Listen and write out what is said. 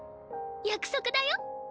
約束だよ。